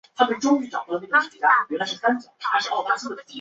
奥蒂戈为位在美国堪萨斯州朱厄尔县的非建制地区。